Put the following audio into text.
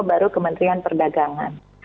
baru kementerian perdagangan